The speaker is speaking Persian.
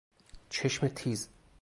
چشم تیز